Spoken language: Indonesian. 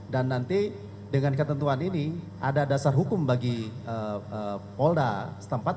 dan nanti dengan ketentuan ini ada dasar hukum bagi polda setempat